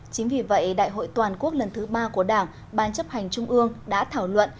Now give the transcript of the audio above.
chính vì vậy đại hội toàn quốc lần thứ ba của đảng ban chấp hành trung ương đã thảo luận